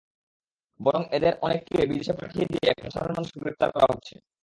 বরং এদের অনেককে বিদেশে পাঠিয়ে দিয়ে এখন সাধারণ মানুষকে গ্রেপ্তার করা হচ্ছে।